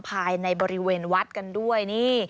ภายในบริเวณวัดกันด้วยนี่